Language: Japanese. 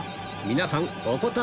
皆さんお答え